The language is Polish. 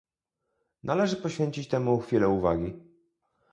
Należy poświęcić temu chwilę uwagi